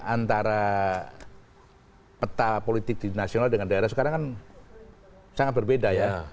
antara peta politik di nasional dengan daerah sekarang kan sangat berbeda ya